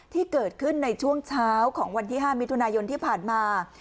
ที่เกิดขึ้นในช่วงเช้าของวันที่๕มิถุนายนที่ผ่านมา